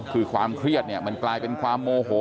คือความเครียดเนี่ยมันกลายเป็นความโมโห